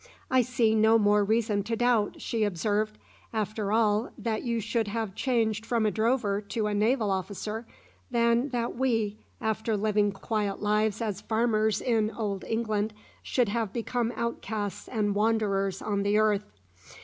"I see no more reason to doubt," she observed, "after all, that you should have changed from a drover to a naval officer, than that we, after living quiet lives as farmers in old England, should have become outcasts and wanderers on the earth."